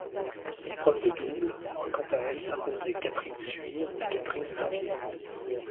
L'épreuve de double voit quant à elle s'imposer Catherine Suire et Catherine Tanvier.